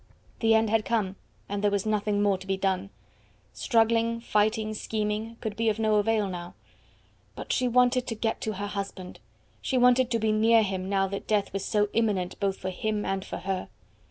The end had come, and there was nothing more to be done. Struggling, fighting, scheming, could be of no avail now; but she wanted to get to her husband; she wanted to be near him now that death was so imminent both for him and for her.